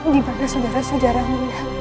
di bandara saudara saudara kita